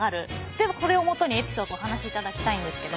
でこれを基にエピソードをお話しいただきたいんですけど。